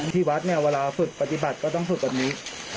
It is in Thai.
ที่วัดเนี่ยก็ต้องฝึกปฏิบัติกันตอนนี้